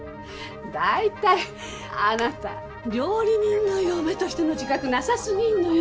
大体あなた料理人の嫁としての自覚なさすぎるのよ。